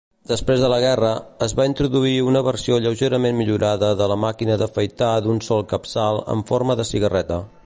Després de la guerra, es va introduir una versió lleugerament millorada de la màquina d'afaitar d'un sol capçal amb forma de cigarreta.